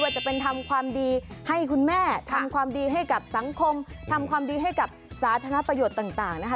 จะเป็นทำความดีให้คุณแม่ทำความดีให้กับสังคมทำความดีให้กับสาธารณประโยชน์ต่างนะคะ